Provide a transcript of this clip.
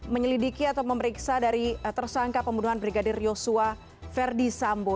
menyelidiki atau memeriksa dari tersangka pembunuhan brigadir yosua verdi sambo